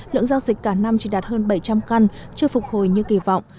lượng giao dịch cả năm chỉ đạt hơn bảy trăm linh căn chưa phục hồi như kỳ vọng